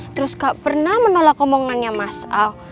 terus gak pernah menolak omongannya mas al